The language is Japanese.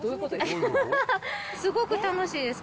すごく楽しいです。